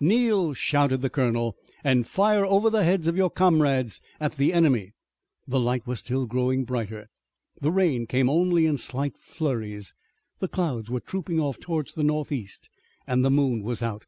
"Kneel," shouted the colonel, "and fire over the heads of your comrades at the enemy!" The light was still growing brighter. The rain came only in slight flurries. The clouds were trooping off toward the northeast, and the moon was out.